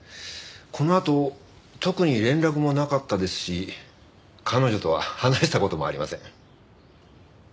このあと特に連絡もなかったですし彼女とは話した事もありません。